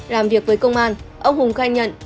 làm việc với công an ông hùng khai nhận